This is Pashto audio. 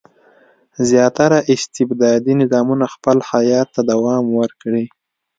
زیاتره استبدادي نظامونه خپل حیات ته دوام ورکړي.